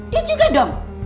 dia juga dong